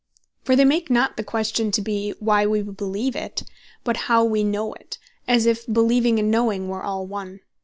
For they make not the question to be, "Why we Beleeve it," but "How wee Know it;" as if Beleeving and Knowing were all one.